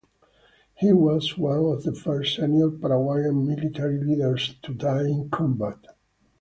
He was one of the first senior Paraguayan military leaders to die in combat.